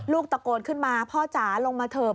ตะโกนขึ้นมาพ่อจ๋าลงมาเถอะ